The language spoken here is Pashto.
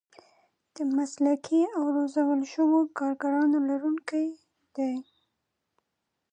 د مسلکي او روزل شوو کارګرانو لرونکي دي.